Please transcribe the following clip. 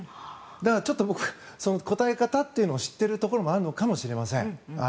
だから、僕その答え方っていうのを知ってるところもあるのかもしれません。